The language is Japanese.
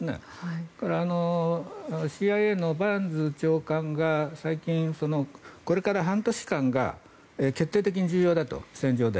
それからＣＩＡのバーンズ長官が最近、これから半年間が決定的に重要だと戦場で。